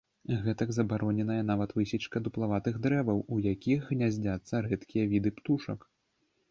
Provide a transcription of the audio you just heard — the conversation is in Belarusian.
Гэтак, забароненая нават высечка дуплаватых дрэваў, у якіх гняздзяцца рэдкія віды птушак.